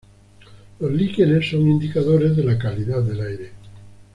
Los líquenes son indicadores de la calidad del aire.